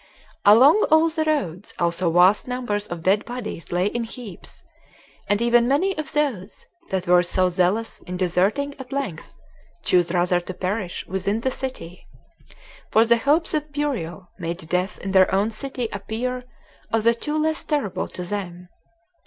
Along all the roads also vast numbers of dead bodies lay in heaps, and even many of those that were so zealous in deserting at length chose rather to perish within the city; for the hopes of burial made death in their own city appear of the two less terrible to them.